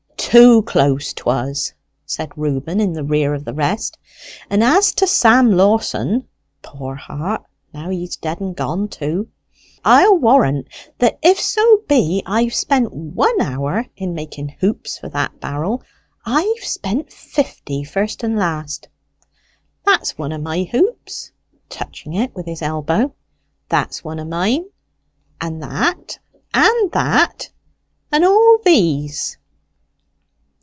"Too close, 'twas," said Reuben, in the rear of the rest. "And as to Sam Lawson poor heart! now he's dead and gone too! I'll warrant, that if so be I've spent one hour in making hoops for that barrel, I've spent fifty, first and last. That's one of my hoops" touching it with his elbow "that's one of mine, and that, and that, and all these."